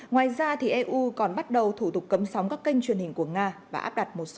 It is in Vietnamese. ngoài ra thì eu còn bắt đầu thủ tục cấm sóng các kênh truyền hình của nga và áp đặt một số lệnh cấm xuất khẩu